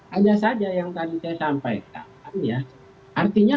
hanya saja yang tadi saya sampaikan ya